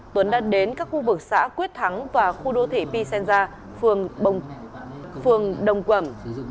tuấn đã đến các khu vực xã quyết thắng và khu đô thị pisenza phường đồng quẩm